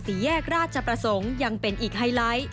แยกราชประสงค์ยังเป็นอีกไฮไลท์